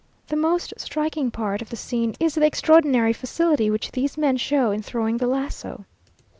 _ The most striking part of the scene is the extraordinary facility which these men show in throwing the laso.